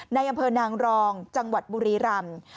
ในอำเภอนางรองจังหวัดบุรีรำ